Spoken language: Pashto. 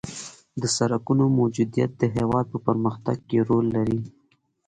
د سرکونو موجودیت د هېواد په پرمختګ کې رول لري